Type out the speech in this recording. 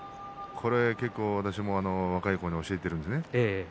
これを私も若い子に教えているんですよね。